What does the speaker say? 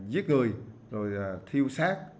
giết người rồi thiêu sát